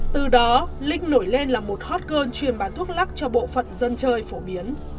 từ đó link nổi lên là một hot girl truyền bán thuốc lắc cho bộ phận dân chơi phổ biến